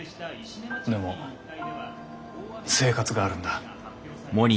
でも生活があるんだ。